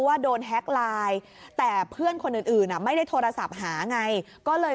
ว่าโดนแฮ็กไลน์แต่เพื่อนคนอื่นไม่ได้โทรศัพท์หาไงก็เลย